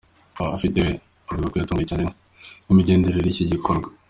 Pacifique we, avuga ko yatunguwe cyane n'imigendekere y'iki gikorwa.